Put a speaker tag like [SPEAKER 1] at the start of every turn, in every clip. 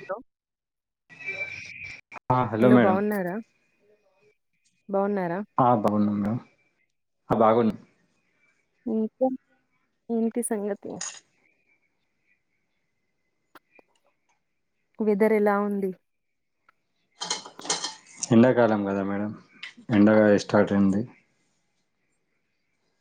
[SPEAKER 1] Hello
[SPEAKER 2] ఆ
[SPEAKER 1] hello
[SPEAKER 2] madam
[SPEAKER 1] బావున్నారా
[SPEAKER 2] ఆ బాగున్నా మేడం ఆ బాగున్నా
[SPEAKER 1] ఇంకా ఏంటి సంగతి వెదర్ ఎలా ఉంది
[SPEAKER 2] ఎండాకాలం కదా మేడం ఎండ గా స్టార్ట్ అయింది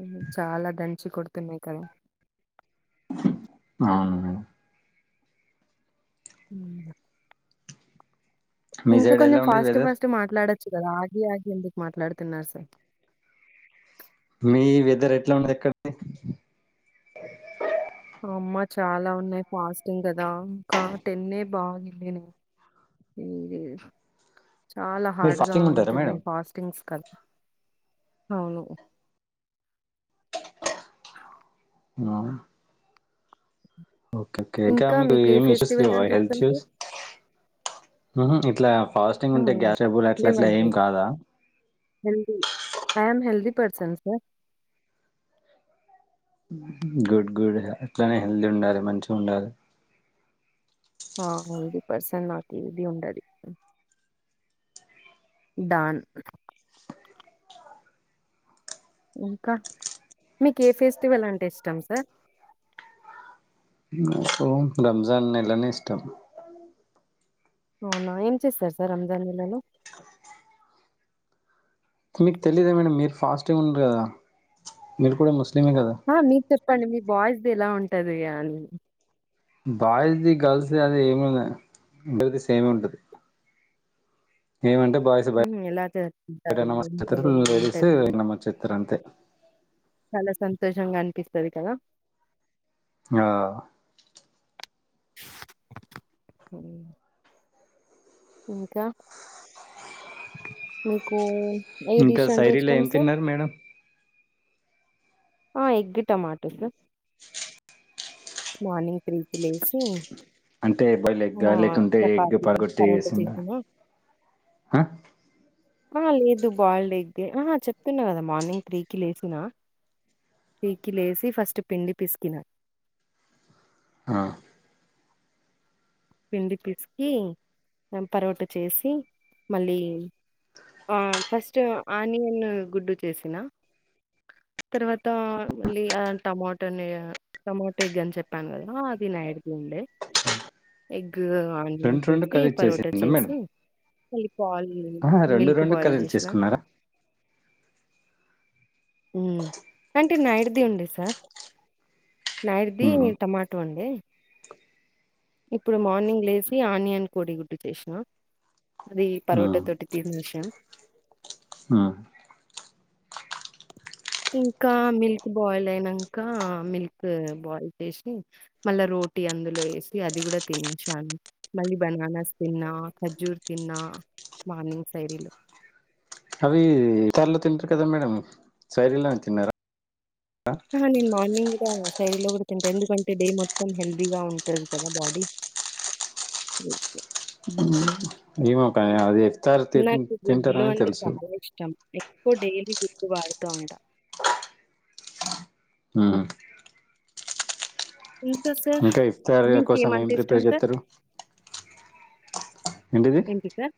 [SPEAKER 1] ఉమ్ చాలా దంచి కొడుతున్నాయి కదా
[SPEAKER 2] అవును మేడమ్
[SPEAKER 1] ఉమ్
[SPEAKER 2] మీ
[SPEAKER 1] ఇంకా
[SPEAKER 2] సైడ్ ఎలా
[SPEAKER 1] కొంచం
[SPEAKER 2] ఉంది
[SPEAKER 1] ఫాస్ట్
[SPEAKER 2] వెదర్
[SPEAKER 1] ఫాస్ట్ మాట్లాడ చ్చు కదా ఆగి ఆగి ఎందుకు మాట్లాడుతున్నారు సార్
[SPEAKER 2] మీ వెదర్ ఎట్లా ఉంది ఎక్కడ ఉంది
[SPEAKER 1] అమ్మా చాలా ఉన్నాయి ఫాస్టింగ్ కదా ఇంకా టెన్ ఏ బాగుంది నేను [unintelligible] చాలా
[SPEAKER 2] మీరు
[SPEAKER 1] హార్డ్గా
[SPEAKER 2] ఫాస్టింగ్ ఉంటారా మేడం
[SPEAKER 1] ఉంటున్నాయి ఫాస్టింగ్స్ కదా అవును
[SPEAKER 2] ఆ ఓకే ఓకే ఎట్ల
[SPEAKER 1] ఇంకా
[SPEAKER 2] మేలు
[SPEAKER 1] మీకు ఏ
[SPEAKER 2] ఏం ఇష్యూస్
[SPEAKER 1] ఫెస్టివల్
[SPEAKER 2] లేవా
[SPEAKER 1] అంటే
[SPEAKER 2] హెల్త్
[SPEAKER 1] ఇష్టం
[SPEAKER 2] ఇష్యూస్
[SPEAKER 1] సార్
[SPEAKER 2] ఉహుం ఇట్లా ఫాస్టింగ్
[SPEAKER 1] ఆ,
[SPEAKER 2] ఉంటే గ్యాస్టబుల్ అట్లా అట్లా ఏం కాదా
[SPEAKER 1] healthy I am healthy person sir
[SPEAKER 2] ఉహుం గుడ్ గుడ్ అట్లానే హెల్తీ ఉండాలి మంచిగా ఉండాలి
[SPEAKER 1] ఆ హెల్తీ పర్సన్ నాకి ఏది ఉండది డాన్ ఇంకా మీకు ఏ ఫెస్టివల్ అంటే ఇష్టం సార్
[SPEAKER 2] నాకు రంజాన్ నెలనే ఇష్టం
[SPEAKER 1] అవునా ఏం చేస్తారు సార్ రంజాన్ నెలలో
[SPEAKER 2] మీకు తెలిదా మేడం మీరు ఫాస్టింగ్ ఉండారు కదా మీరు కూడా ముస్లిం
[SPEAKER 1] ఆ మీరు చెప్పండి మీ బాయ్స్ ది ఎలా ఉంటది అని
[SPEAKER 2] బాయ్స్ ది గర్ల్స్ ది అది ఏమి ఇద్దరిదీ సేమ్ ఏ ఉంటది ఏమంటే బాయ్స్
[SPEAKER 1] ఉమ్ ఎలా
[SPEAKER 2] బయట
[SPEAKER 1] చేస్తుంటారు ఇంట్లో
[SPEAKER 2] నమస్తారు
[SPEAKER 1] ఎలా
[SPEAKER 2] లేడీస్
[SPEAKER 1] ఉంటది
[SPEAKER 2] నమస్తారు అంతే
[SPEAKER 1] చాలా సంతోషంగా అనిపిస్తది కదా
[SPEAKER 2] ఆ
[SPEAKER 1] ఉమ్ ఇంకా మీకు ఏ
[SPEAKER 2] ఇంకా
[SPEAKER 1] డిష్ అంటే
[SPEAKER 2] సైరీలో
[SPEAKER 1] ఇష్టం
[SPEAKER 2] ఏం
[SPEAKER 1] సార్
[SPEAKER 2] తిన్నారు మేడం
[SPEAKER 1] ఆ ఎగ్ టమాటా సార్ మార్నింగ్ త్రీకి లేసి
[SPEAKER 2] అంటే బాయిల్డ్ ఎగ్ ఆ
[SPEAKER 1] ఆహ్,
[SPEAKER 2] లేకుంటే ఎగ్
[SPEAKER 1] చపాతీ,
[SPEAKER 2] పలగొట్టి
[SPEAKER 1] పరోటా
[SPEAKER 2] వేసింద
[SPEAKER 1] చేసినా
[SPEAKER 2] ఆ
[SPEAKER 1] ఆ లేదు బాయిల్డేగ ఆ చెప్తున్నా కదా మార్నింగ్ త్రీకిి లేచిన తీకి లేసి ఫస్ట్ పిండి పిసికినా
[SPEAKER 2] ఆ
[SPEAKER 1] పిండి పిసికి పరోట చేసి మళ్ళీ ఆ ఫస్ట్ ఆనియన్ గుడ్డు చేసిన తర్వాత మళ్ళీ టమాటోని టమాటో ఎగ్ అని చెప్పాను కదా అది నైడిది ఉండే ఎగ్ ఆనియన్
[SPEAKER 2] రెండు రెండు
[SPEAKER 1] చేసి
[SPEAKER 2] కర్రీస్
[SPEAKER 1] పరోటా
[SPEAKER 2] చేసిందా మేడం
[SPEAKER 1] చేసి మ పాల్
[SPEAKER 2] ఆహా రెండు
[SPEAKER 1] మిల్క్
[SPEAKER 2] రెండు
[SPEAKER 1] బాయిల్
[SPEAKER 2] కర్రీలు
[SPEAKER 1] చేసిన
[SPEAKER 2] చేసుకున్నారా
[SPEAKER 1] అంటే నైడుది ఉండంది సార్ నైడిది
[SPEAKER 2] ఉహు
[SPEAKER 1] టమాటా కుట్కోండి ఇప్పుడు మార్నింగ్ లేచి ఆనియన్ కోడి గుడ్డు చేసిన అది
[SPEAKER 2] ఆ
[SPEAKER 1] పరోటా తొటి తీరు విషయం
[SPEAKER 2] ఆ
[SPEAKER 1] ఇంకా మిల్క్ బాయిల్ అయినాక మిల్క్ బాయిల్ చేసి మళ్ళా రోజ పోటి అందులో వేసి అది కూడా తిన చాలా మళ్ళీ బనానాస్ తిన్నా ఖజూర్ తిన్నా మార్నింగ్ సైడిలో
[SPEAKER 2] అవి తర్లో తింటారు కదా మేడం శైరీలోని తిన్నారా
[SPEAKER 1] ఆ నేన్ మార్నింగ్ శ్యారీలో లో కూడా తింటా ఎందుకంటే డే మొత్తం హెల్దీగా ఉంటంది కదా బాడీ ఓ
[SPEAKER 2] ఈ మోకా అద
[SPEAKER 1] నాకు గుడ్లు అంటే చాలా ఇష్టం ఇ డైలీ గుడ్డు వాడుగా ఉంటా
[SPEAKER 2] ఉమ్
[SPEAKER 1] ఇంకా సార్
[SPEAKER 2] ఇంకా ఇఫ్తార్ కోసం ఏం
[SPEAKER 1] మీకేమంటే ఇష్టం
[SPEAKER 2] ప్రిపేర్
[SPEAKER 1] సార్?
[SPEAKER 2] చేస్తారు ఏంటిది
[SPEAKER 1] ఏంటి సార్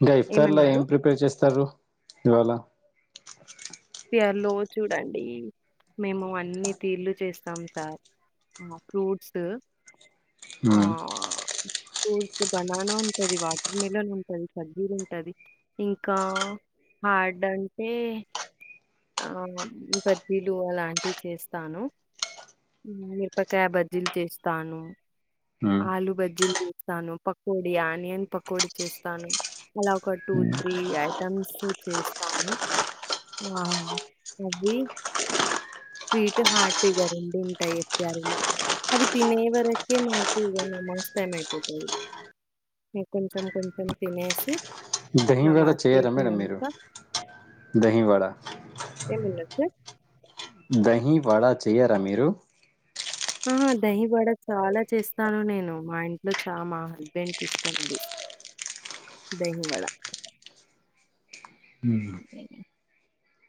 [SPEAKER 2] ఇంకా ఇఫ్తార్లా ఏం
[SPEAKER 1] ఏమన్నారు?
[SPEAKER 2] ప్రిపేర్ చేస్తారు ఇవాళ
[SPEAKER 1] సర్లో చూడండి మేము అన్ని తీర్లు చేస్తాం సార్ ఆ ఫ్రూట్స్ ఆ
[SPEAKER 2] ఉమ్,
[SPEAKER 1] ఫ్రూట్ బనానా ఉంటది వాటర్ మెలన్ ఉంటది కజ్జీర్ ఉంటది ఇంకా హార్డ్డంటే ఆ బజ్జీలు అలాంటివి చేస్తాను మిరపకాయా బర్జిల్ చేస్తాను
[SPEAKER 2] ఉమ్.
[SPEAKER 1] ఆలు బజ్జీలు చేస్తాను పకోడి ఆనియన్ పకోడి చేస్తాను అలా ఒక టూ త్రీ ఐటమ్స్ చేస్తాను ఆ అది స్వీట్ హార్ట్ ఇగా రెండి ఉంటాయి ఎస్త్యారలో అవి తినే వరకే మాకు నమస్ టైమ్ అయిపోతది అవి మీ కొంచెం కొంచెం తినేసి
[SPEAKER 2] దహివాడ
[SPEAKER 1] నమాజ్
[SPEAKER 2] చేయార మేడం మీరు
[SPEAKER 1] చేసినంక
[SPEAKER 2] దహివాడ
[SPEAKER 1] ఏం వడ సార్
[SPEAKER 2] దహి వాడా చెయ్యరా మీరు
[SPEAKER 1] ఆ దహివడ చాలా చేస్తాను నేను మా ఇంట్లో చ మా హస్బెండ్ కి ఇష్టం అది దహివడ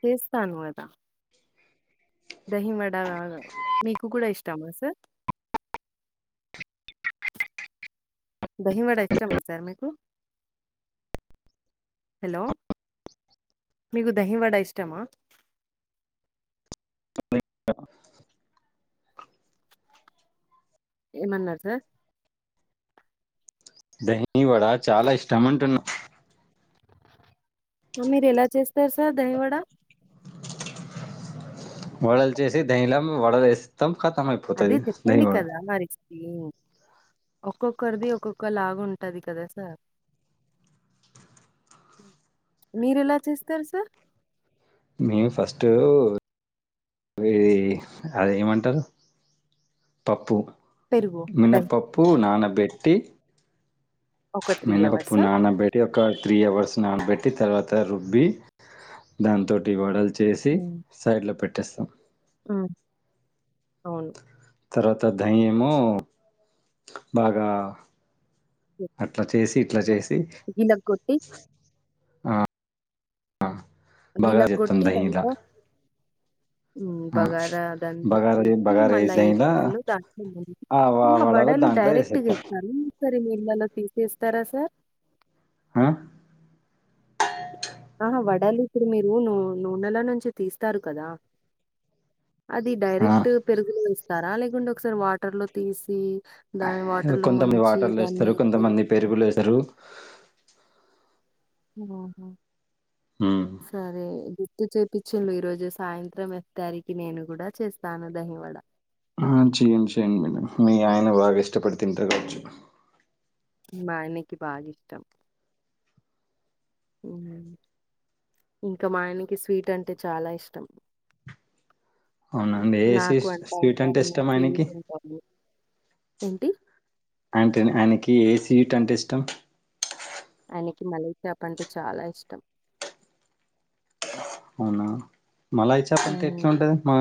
[SPEAKER 1] చేస్తాను కదా దహి వడా మీకు కూడా ఇష్టమా సార్ దహివాడ ఇష్టమా సార్ మీకు హలో మీకు దహి వడ ఇష్టమా ఏమన్నార్ సార్
[SPEAKER 2] దాహి వాడా చాలా ఇష్టం అంటున్నా
[SPEAKER 1] మీరు ఎలా చేస్తారు సార్ దాహివాడ
[SPEAKER 2] వడల్ చేసి దాహి లా వడల్ వేస్తాం ఖతం
[SPEAKER 1] అదే
[SPEAKER 2] అయిపోతాది దాహి
[SPEAKER 1] చెప్పండి
[SPEAKER 2] వడా
[SPEAKER 1] కదా! [inaudible] ఒక్కొక్కరిది ఒక్కొక్క లాగా ఉంటది కదా సార్ మీరు ఎలా చేస్తారు సార్
[SPEAKER 2] మేము ఫస్ట్ ఆవి అది ఏమంటారు పప్పు
[SPEAKER 1] పెరుగు, దహి
[SPEAKER 2] మినపప్పు నానబెట్టి
[SPEAKER 1] ఒక
[SPEAKER 2] మీన్నపప్పు
[SPEAKER 1] అవర్సా?
[SPEAKER 2] నాన్నబేటీ ఒక త్రీ అవర్స్ నానాబెట్టి తర్వాత రుబ్బి దాంతోటి వడలు చేసి సైడ్ లో పెట్ టేస్తామ్
[SPEAKER 1] ఉ అవును
[SPEAKER 2] తర్వాత దయేమో బాగా అట్లా చేసి ఇట్లా చేసి
[SPEAKER 1] వీనాగ్కోటి
[SPEAKER 2] ఆ బాగా చెత్తం
[SPEAKER 1] గిలగ్గొట్టి
[SPEAKER 2] దహీలా
[SPEAKER 1] దాంట్లో
[SPEAKER 2] ఆ
[SPEAKER 1] బగారా దంట్లో
[SPEAKER 2] బగారా
[SPEAKER 1] వేసి
[SPEAKER 2] బగారా
[SPEAKER 1] మళ్ళా
[SPEAKER 2] వేసి
[SPEAKER 1] ఈ
[SPEAKER 2] దహీలా
[SPEAKER 1] వడలు దాంట్లో
[SPEAKER 2] ఆ
[SPEAKER 1] [inaudible] వడలు
[SPEAKER 2] దాంట్లో
[SPEAKER 1] డైరెక్ట్ గా
[SPEAKER 2] వేసేస్తాం
[SPEAKER 1] ఏస్తారా ఒకసారి నీళ్లలోకి ఏసి ఏస్తారా సార్
[SPEAKER 2] ఆ
[SPEAKER 1] ఆహ వడాల ఇప్పుడు మీరు నూ నూనెల నుంచి తీస్తారు కదా అది
[SPEAKER 2] ఆ
[SPEAKER 1] డైరెక్ట్ పెరుగులో వేస్తారా లేకుంటే ఒకసారి వాటర్ లో తీసి దాని వాటర్ లో
[SPEAKER 2] కొంతమంది వాటర్లు ఏస్తారు కొంతమంది పెరుగులో ఏస్తారు
[SPEAKER 1] ఉమ్మ్మ్
[SPEAKER 2] మ్
[SPEAKER 1] సరే గుర్తు చెప్పిచిండు ఈ రోజు సాయంత్రం ఇఫ్తియరీకి నేను కూడా చేస్తాను దహివడ
[SPEAKER 2] ఆ చేయండి చెయండి మేడమ్ మీ ఆయన బాగా ఇష్టపడి తింటడు కావచ్చు
[SPEAKER 1] మా ఆయనకి బాగా ఇష్టం ఉమ్ ఇంకా మా ఆయనకి స్వీట్ అంటే చాలా ఇష్టం
[SPEAKER 2] అవునండి ఏ
[SPEAKER 1] నాకు అంటా
[SPEAKER 2] స్వీట్ అంటే
[SPEAKER 1] ఉంటరు నువు
[SPEAKER 2] ఇష్టం ఆయనకి
[SPEAKER 1] స్వీట్ ఉంటావు ఏంటి
[SPEAKER 2] అంటే ఆయనకి ఏ సీట్ అంటే ఇష్టం
[SPEAKER 1] ఆయనకి మలైచప్ అంటే చాలా ఇష్టం
[SPEAKER 2] అవునా మలైచప్ అంటే
[SPEAKER 1] హ్మ్.
[SPEAKER 2] ఎట్లా ఉంటది మా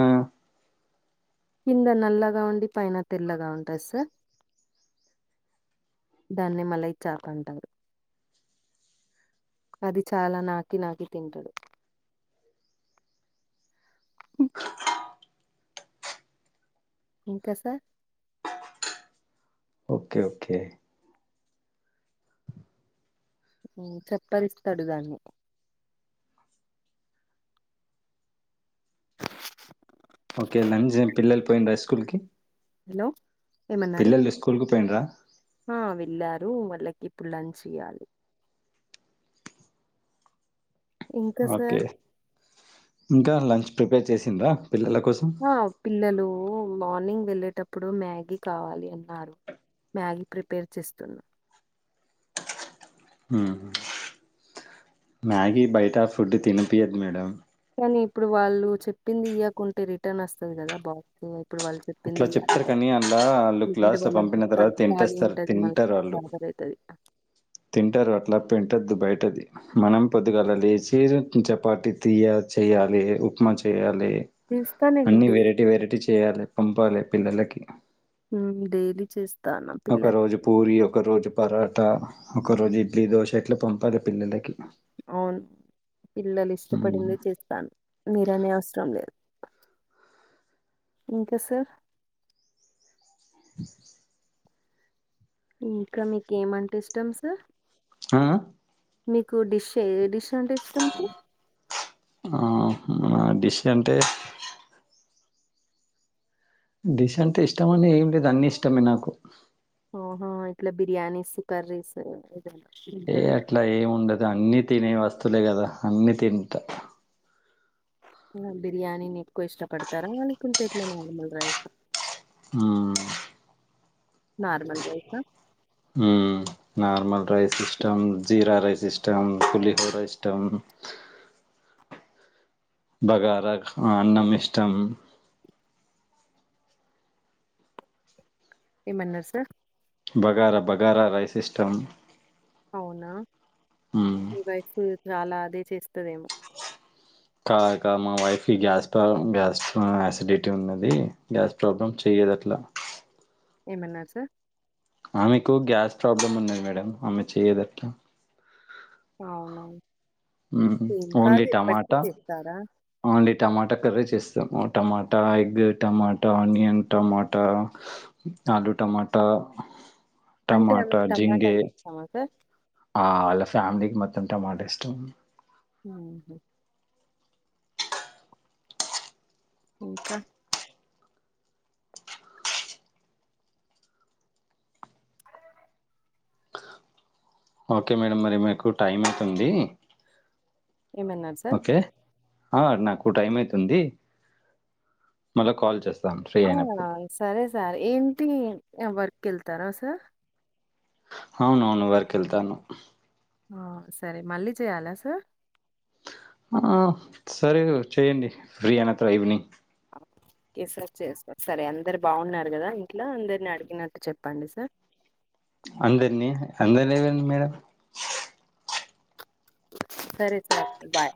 [SPEAKER 1] కింద నల్లగా ఉండి పైన తెల్లగా ఉంటది సార్ దాన్ని మలిచాప్ అంటారు అది చాలా నాకి నాకి తింటాడు ఇంకా సార్
[SPEAKER 2] ఓకే ఓకే
[SPEAKER 1] మ్మ్ చెప్పరిస్తాడు దాన్ని
[SPEAKER 2] ఓకే లజం పిల్లలు పోయిండ్రా స్కూల్ కి
[SPEAKER 1] హలో! ఏమన్నారు?
[SPEAKER 2] పిల్లలు స్కూల్కి పోయిడ్రా
[SPEAKER 1] ఆ వెళ్ళారు వాళ్ళకి ఇప్పుడు లంచ్ చేయ్యాలి ఇంకా
[SPEAKER 2] ఓకే
[SPEAKER 1] సార్
[SPEAKER 2] ఇంకా లంచ్ ప్రిపేర్ చేసింద్రా పిల్లల కోసం
[SPEAKER 1] ఆ! పిల్లలు మార్నింగ్ వెళ్ళేటప్పుడు మ్యాగీ కావాలి అన్నారు మ్యాగీ ప్రిపేర్ చేస్తున్నా
[SPEAKER 2] హ్మ్ మ్యాగీ బయట ఫుడ్ తనిపియదు మేడం
[SPEAKER 1] కానీ ఇప్పుడు వాళ్ళు చెప్పింది ఇయ్వకుంటే రిటర్న్ వస్తది కదా బాక్సు ఇప్పుడు వాళ్ళు చెప్పింది
[SPEAKER 2] అట్లా
[SPEAKER 1] కాదు
[SPEAKER 2] చెప్తారు
[SPEAKER 1] కదు
[SPEAKER 2] కానీ అలా వాళ్ళు
[SPEAKER 1] అంటే
[SPEAKER 2] క్లాస్లో
[SPEAKER 1] వాళ్ళ
[SPEAKER 2] పంపిన తర్వాత
[SPEAKER 1] కడికి రాలీ
[SPEAKER 2] తింటేస్తారు
[SPEAKER 1] ఉంటుది మళ్ళీ
[SPEAKER 2] తింటారు వాళ్ళు
[SPEAKER 1] అది
[SPEAKER 2] తింటారు అట్లా పెట్టద్దు బయటది మనం పొద్దుగాల లేచి చపాతి తీయ చేయాలి ఉప్మా చేయాలి
[SPEAKER 1] చేస్తా నేను
[SPEAKER 2] అన్ని
[SPEAKER 1] డై
[SPEAKER 2] వెరైటీ వెరైటీ చేయాలి పంపాలి పిల్లలకి
[SPEAKER 1] హ్మ్ డైలీ చేస్త
[SPEAKER 2] ఒక రోజు పూరి ఒక రోజు పరోటా ఒక రోజు ఇడ్లీ దోశ ఇట్లా పంపాల పిల్లలకి
[SPEAKER 1] అవును పిల్లలు
[SPEAKER 2] మ్మ్.
[SPEAKER 1] ఇష్టపడిందే చేస్తాను మీరనే అవసరం లేదు ఇంకా సార్
[SPEAKER 2] [inaudible]
[SPEAKER 1] ఇంకా మీకేమంటే ఇష్టం సార్
[SPEAKER 2] ఆ
[SPEAKER 1] మీకు డిష్ ఏ డిష్ అంటే ఇష్టం సార్
[SPEAKER 2] ఆ ఆ డిష్ అంటే డిష్ అంటే ఇష్టం అని ఏం లేదు అన్ని ఇష్టమే నాకు
[SPEAKER 1] హ ఇట్లా బిర్యానీస్ కర్రీస్
[SPEAKER 2] ఏ
[SPEAKER 1] ఉంటది కదా
[SPEAKER 2] అట్లా ఏమి ఉండదు అన్ని తినే వస్తువులే కదా అన్ని తింట
[SPEAKER 1] ఆ బిర్యానీని ఎక్కువ ఇష్టపడతారా అల లేకుంటే ఇట్లా నార్మల్ రైస్ ఆ
[SPEAKER 2] ఆ
[SPEAKER 1] నార్మల్ రైస్ ఆ
[SPEAKER 2] హ్మ్ నార్మల్ రైస్ ఇష్టం జీరా రైస్ ఇష్టం పులిహోరా ఇష్టం
[SPEAKER 1] [inaudible]
[SPEAKER 2] బగార అన్నం ఇష్టం
[SPEAKER 1] ఏమన్నారు సార్
[SPEAKER 2] బగారా బగారా రైస్ ఇష్టం
[SPEAKER 1] అవునా
[SPEAKER 2] మ్మ్.
[SPEAKER 1] మీ వైఫ్ చాలా అదే చేస్తదేమో
[SPEAKER 2] కాద్ కాద్ మా వైఫ్ కి గ్యాస్ ప్ర గ్యాస్ ఆసిడిటీ ఉన్నది గ్యాస్ ప్రాబ్లమ్ చేయదు చేయదు అట్లా
[SPEAKER 1] ఏమన్నారు సార్
[SPEAKER 2] ఆమెకు గ్యాస్ ప్రాబ్లమ్ ఉన్నది మేడం ఆమె చెయ్యదట్లా
[SPEAKER 1] అవునా
[SPEAKER 2] హ్మ్
[SPEAKER 1] ఏం
[SPEAKER 2] ఓన్లీ
[SPEAKER 1] కాదు ఎప్పటికి
[SPEAKER 2] టమాటా
[SPEAKER 1] చేస్తారా?
[SPEAKER 2] ఓన్లీ టమాటా గవే చేస్తాము టమాట ఎగ్ టమాటా ఆనియన్ టమాట ఆలు టమాట టమాటా
[SPEAKER 1] అంటే
[SPEAKER 2] టమాటా
[SPEAKER 1] ఆమెకి టమాటా
[SPEAKER 2] జింగే
[SPEAKER 1] అంటే ఇష్టమా సార్?
[SPEAKER 2] ఆ ఆల్లా ఫ్యామిలీకి మొత్తం టమాటో ఇష్టం
[SPEAKER 1] హ ఇంకా
[SPEAKER 2] ఓకే మేడమ్ మరి మీకు టైం అవుతుంది
[SPEAKER 1] ఏమన్నారు సార్
[SPEAKER 2] ఓకే ఆ నాకు టైం అయితుంది మల్ల కాల్ చేస్తా
[SPEAKER 1] ఆ సరే సార్ ఏంటి వర్క్ వెళ్తారా సార్
[SPEAKER 2] అవును అవును వర్కెళ్తాను
[SPEAKER 1] ఆ సరే మళ్ళీ చేయాలా సార్
[SPEAKER 2] ఆ సరే చేయండి ఫ్రీ అయిన తర్వాత ఈవినింగ్
[SPEAKER 1] ఓకే సార్ చేస్తకో సరే అందరు బాగున్నారు కదా ఇంట్లో అందరిని అడిగినట్టు చెప్పండి సార్ [inaudible]
[SPEAKER 2] అందరినీ అందరి లేవడి మేడం
[SPEAKER 1] సరే సార్ బాయ్